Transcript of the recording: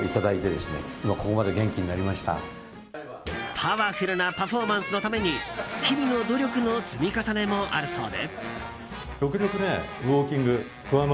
パワフルなパフォーマンスのために日々の努力の積み重ねもあるそうで。